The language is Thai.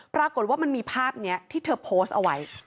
ปรากฏว่ามันมีภาพนี้ที่เธอโพสต์เอาไว้